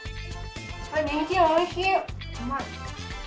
あにんじんおいしい。